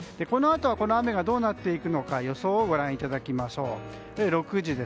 このあとこの雨がどうなっていくのか予想をご覧いただきましょう。